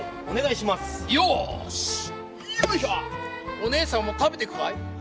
おねえさんも食べていくかい？